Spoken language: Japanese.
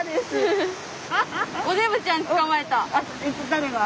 誰が？